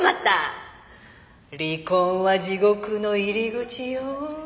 「離婚は地獄の入り口よ」